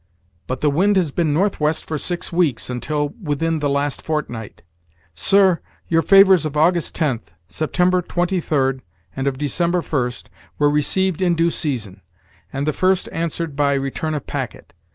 but the wind has been northwest for six weeks, until within the last fortnight. Sir, your favors of August 10th, September 23d, and of December 1st, were received in due season, and the first answered by return of packet.